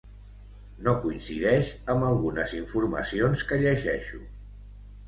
No coincideix amb algunes informacions que llegeixo.